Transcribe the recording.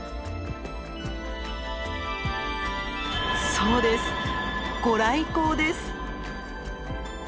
そうですご来光です。